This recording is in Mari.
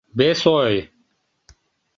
Вес ой.